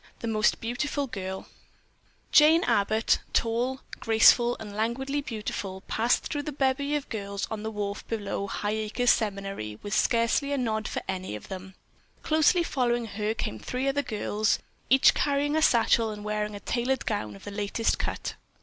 THE MOST BEAUTIFUL GIRL Jane Abbott, tall, graceful and languidly beautiful, passed through the bevy of girls on the wharf below Highacres Seminary with scarcely a nod for any of them. Closely following her came three other girls, each carrying a satchel and wearing a tailored gown of the latest cut.